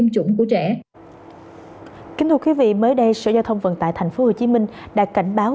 chủng của trẻ kính thưa quý vị mới đây sở giao thông vận tải thành phố hồ chí minh đã cảnh báo